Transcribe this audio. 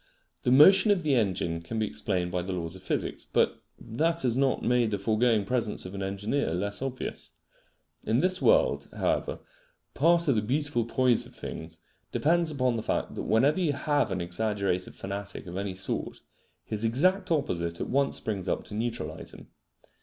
The motion of the engine can be explained by the laws of physics, but that has not made the foregoing presence of an engineer less obvious. In this world, however, part of the beautiful poise of things depends upon the fact that whenever you have an exaggerated fanatic of any sort, his exact opposite at once springs up to neutralise him.